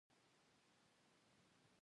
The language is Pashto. د بدو خلکو مجلس کې مه کینه .